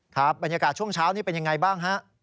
ครับบรรยากาศช่วงเช้านี้เป็นยังไงบ้างฮะ